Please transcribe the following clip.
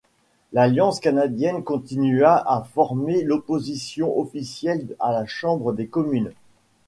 L'Alliance canadienne continua de former l'Opposition officielle à la Chambre des communes.